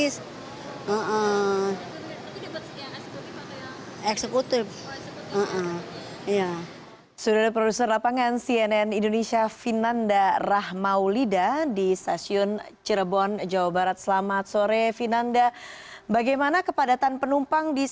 susah susah kalau dua minggu sebelum lebaran banyaknya habis